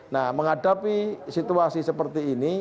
nah menghadapi situasi seperti ini